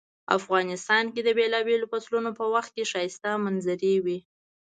افغانستان کې د بیلابیلو فصلونو په وخت کې ښایسته منظرۍ وی